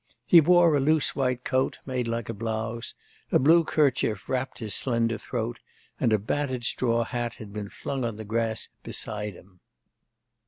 He wore a loose white coat, made like a blouse, a blue kerchief wrapped his slender throat, and a battered straw hat had been flung on the grass beside him.